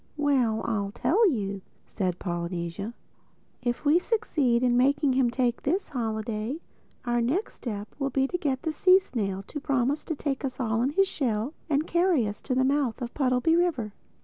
"Well, I'll tell you," said Polynesia. "If we do succeed in making him take this holiday, our next step will be to get the sea snail to promise to take us all in his shell and carry us to the mouth of Puddleby River.